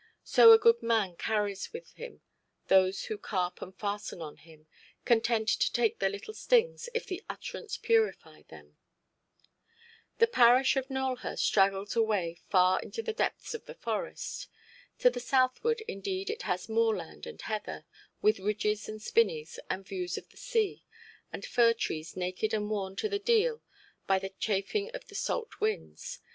So a good man carries with him those who carp and fasten on him; content to take their little stings, if the utterance purify them. The parish of Nowelhurst straggles away far into the depths of the forest. To the southward indeed it has moorland and heather, with ridges, and spinneys, and views of the sea, and fir–trees naked and worn to the deal by the chafing of the salt winds.